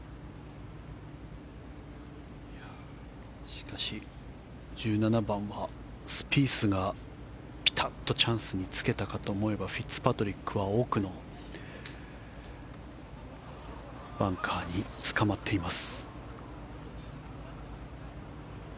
しかし１７番はスピースがピタッとチャンスにつけたかと思えばフィッツパトリックは奥のバンカーにつかまっています。